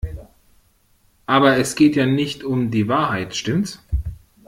Aber es geht ja nicht um die Wahrheit, stimmts?